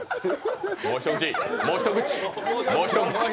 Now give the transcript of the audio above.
もう一口、もう一口。